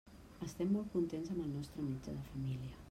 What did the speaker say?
Estem molt contents amb el nostre metge de família.